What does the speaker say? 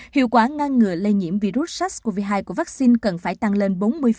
hiệu quả ngăn ngừa lây nhiễm virus sars cov hai của vaccine cần phải tăng lên bốn mươi